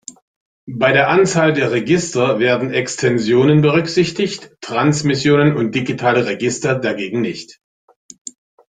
Bei der Anzahl der Register werden Extensionen berücksichtigt, Transmissionen und digitale Register dagegen nicht.